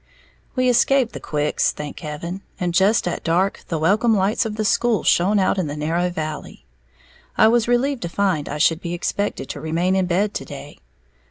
We escaped the quicks, thank heaven, and just at dark the welcome lights of the school shone out in the narrow valley. I was relieved to find I should be expected to remain in bed to day.